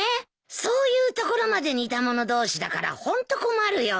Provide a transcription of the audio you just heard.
そういうところまで似た者同士だからホント困るよ。